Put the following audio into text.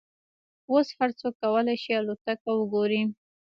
اوس هر څوک کولای شي الوتکې وګوري.